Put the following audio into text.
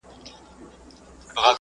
یو معلم کلي ته نوی وو راغلی ,